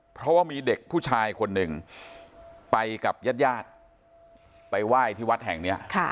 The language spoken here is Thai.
เพราะว่ามีเด็กผู้ชายคนหนึ่งไปกับญาติญาติไปไหว้ที่วัดแห่งนี้